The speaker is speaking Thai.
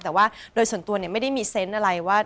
แต่ว่าโดยส่วนตัวไม่ได้มีเซนต์อะไรว่า